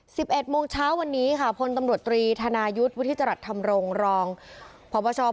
สิบเอ็ดโมงเช้าวันนี้ค่ะพลตำรวจตรีธนายุฏวุทธิจรรย์ทำรงรองพพช๑